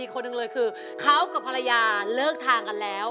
คือเขากับภรรยาเลิกทางกันแล้ว